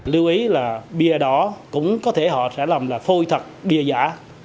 lưu ý là bia đỏ cũng có thể họ sẽ làm là phôi thật bia giả